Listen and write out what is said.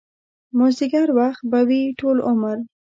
مازديګر وخت به وي ټول عمر